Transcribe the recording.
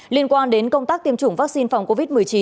liên quan đến công tác tiêm chủng vaccine phòng covid một mươi chín